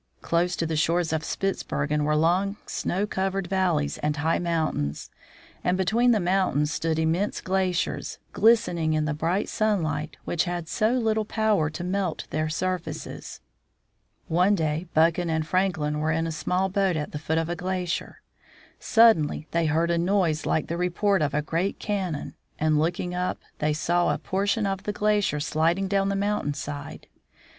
Close to the shores of Spitzbergen were long, snow covered valleys and high mountains, and between the mountains stood immense glaciers, glistening in the bright sunlight which had so little power to melt their surfaces. One day Buchan and Franklin were in a small boat at the foot of a glacier. Suddenly they heard a noise like the report of a great cannon, and looking up, they saw a portion of the glacier sliding down the mountain side.